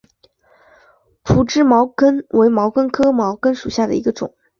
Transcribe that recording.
匍枝毛茛为毛茛科毛茛属下的一个种。